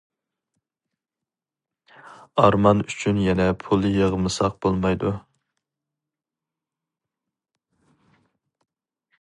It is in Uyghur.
ئارمان ئۈچۈن يەنە پۇل يىغمىساق بولمايدۇ.